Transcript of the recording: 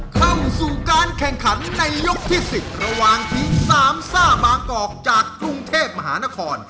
เข้าสู่การแข่งขันในยกที่๑๐ระหว่างทีมสามซ่าบางกอกจากกรุงเทพมหานคร